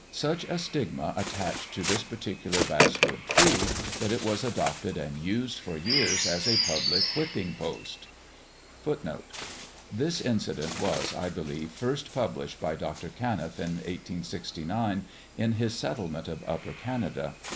Such a stigma attached to this particular basswood tree that it was adopted and used for years as a public whipping post.[#] [#] This incident was, I believe, first published by Dr. Canniff in 1869 in his Settlement of Upper Canada.